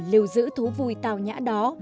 để lưu giữ thú vui tào nhã đó